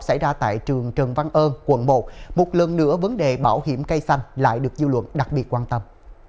xảy ra tại trường trần văn ơn quận một một lần nữa vấn đề bảo hiểm cây xanh lại được dư luận đặc biệt quan tâm